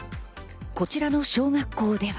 こちらの小学校では。